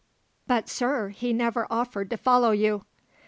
"But, sir, he never offered to follow you."